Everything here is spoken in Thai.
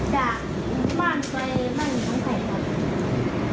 จากบ้านไปบ้านอยู่ทางไข่ก่อน